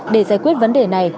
để giải quyết vấn đề này